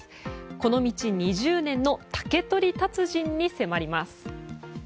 この道２０年の竹取り達人に迫ります。